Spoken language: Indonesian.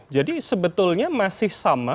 jadi sebetulnya masih sama